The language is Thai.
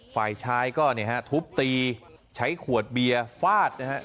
ฝ่ายชายก็เนี่ยฮะทุบตีใช้ขวดเบียร์ฟาดนะฮะ